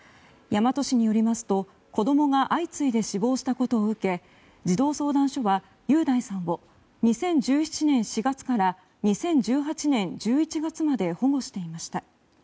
大和市によりますと子どもが相次いで死亡したことを受け児童相談所は、雄大さんを２０１７年４月から２０１８年１１月まで保護していました。